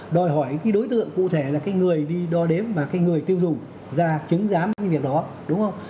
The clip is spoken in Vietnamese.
đòi hỏi cái đối tượng cụ thể là cái người đi đo đếm và cái người tiêu dùng ra chứng giám cái việc đó đúng không